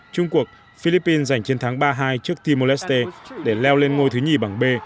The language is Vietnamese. trung cuộc philippines giành chiến thắng ba hai trước timor leste để leo lên ngôi thứ hai bảng b